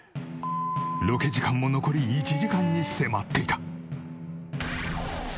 ロケ時間も残り１時間に迫っていた。